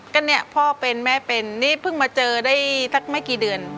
ก็เนี่ยพ่อเป็นแม่เป็นนี่เพิ่งมาเจอได้สักไม่กี่เดือน